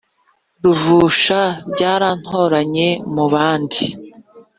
Ruvusha ryarantoranye mu bandi